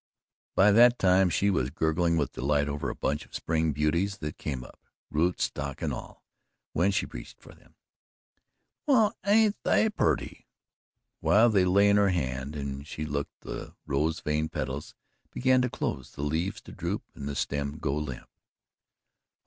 By that time she was gurgling with delight over a bunch of spring beauties that came up, root, stalk and all, when she reached for them. "Well, ain't they purty?" While they lay in her hand and she looked, the rose veined petals began to close, the leaves to droop and the stem got limp.